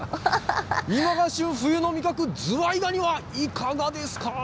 今が旬、冬の味覚、ズワイガニはいかがですか。